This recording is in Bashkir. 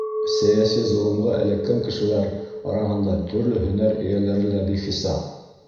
Сәйәси золомға эләккән кешеләр араһында төрлө һөнәр эйәләре лә бихисап.